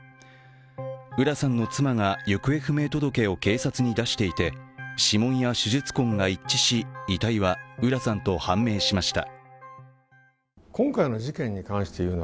浦さんの妻が行方不明届を警察に出していて指紋や手術痕が一致し、遺体は浦さんと判明しました。